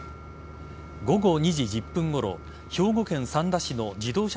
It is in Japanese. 午後２時１０分ごろ兵庫県三田市の自動車